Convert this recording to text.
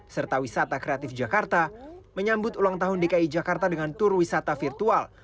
serta wisata kreatif jakarta menyambut ulang tahun dki jakarta dengan tur wisata virtual